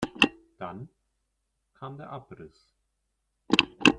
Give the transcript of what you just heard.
Dann kam der Abriss.